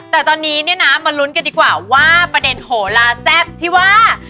แต่ตอนนี้เนี่ยนะมาลุ้นกันดีกว่าว่าประเด็นโหลาแซ่บที่ว่า